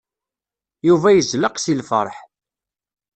Yuba yezleq seg lfeṛḥ.